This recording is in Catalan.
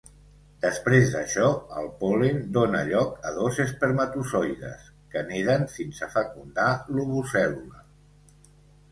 Després d'això el pol·len dóna lloc a dos espermatozoides, que neden fins a fecundar l'ovocèl·lula.